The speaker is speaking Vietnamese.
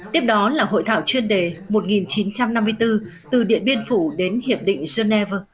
tiếp đó là hội thảo chuyên đề một nghìn chín trăm năm mươi bốn từ điện biên phủ đến hiệp định geneva